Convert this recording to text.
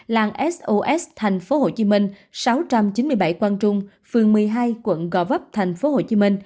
làng sos tp hcm sáu trăm chín mươi bảy quang trung phường một mươi hai quận gò vấp tp hcm